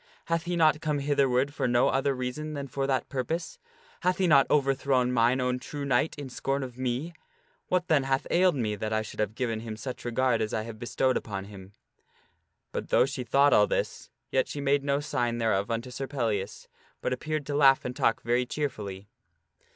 Hath he not come hitherward for no other reason than for that purpose ? Hath he not overthrown mine own true knight in scorn of me ? What then hath ailed me that I should have given him such regard as I have bestowed upon him ?" But though she thought all this, yet she made no sign thereof unto Sir Pellias, but appeared to laugh and talk very cheerfully.